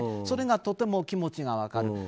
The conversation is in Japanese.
それがとてもお気持ちが分かる。